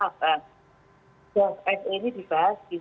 dan warahmatullahi wabarakatuh